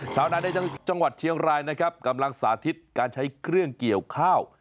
ชาวนาในจังหวัดเชียงรายนะครับกำลังสาธิตการใช้เครื่องเกี่ยวข้าว